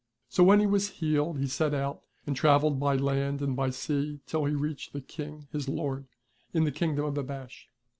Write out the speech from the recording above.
So when he was healed he set out and travelled by land and by sea till he reached the King his Lord in the Kingdom of Abash.